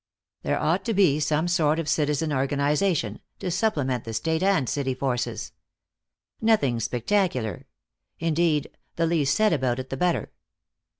There ought to be some sort of citizen organization, to supplement the state and city forces. Nothing spectacular; indeed, the least said about it the better.